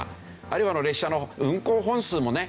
あるいは列車の運行本数もね